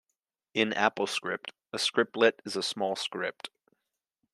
In AppleScript, a scriptlet is a small script.